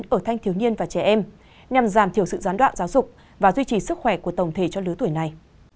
ở thanh thiếu niên và trẻ em nhằm giảm thiểu sự gián đoạn giáo dục và duy trì sức khỏe của tổng thể cho lứa tuổi này